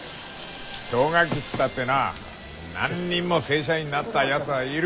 氷河期っつったってな何人も正社員になったやつはいる。